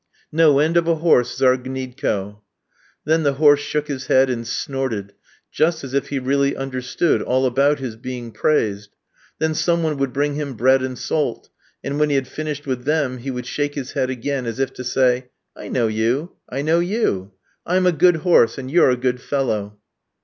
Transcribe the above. "No end of a horse is our Gniedko!" Then the horse shook his head and snorted, just as if he really understood all about his being praised; then some one would bring him bread and salt; and when he had finished with them he would shake his head again, as if to say, "I know you; I know you. I'm a good horse, and you're a good fellow."